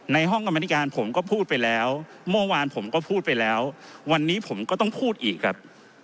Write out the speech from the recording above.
ห้องกรรมนิการผมก็พูดไปแล้วเมื่อวานผมก็พูดไปแล้ววันนี้ผมก็ต้องพูดอีกครับ